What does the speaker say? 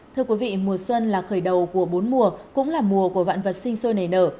thưa quý vị mùa xuân là khởi đầu của bốn mùa cũng là mùa của vạn vật sinh sôi nảy nở